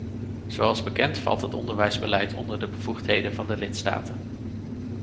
Zoals bekend valt het onderwijsbeleid onder de bevoegdheden van de lidstaten.